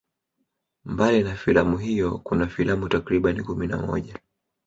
Mbali na filamu hiyo kuna filamu takribani kumi na moja